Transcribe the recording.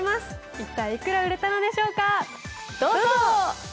一体いくら売れたのでしょうか？